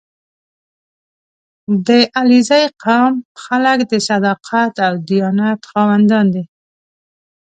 • د علیزي قوم خلک د صداقت او دیانت خاوندان دي.